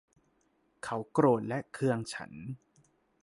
เขาโกรธและเคืองฉัน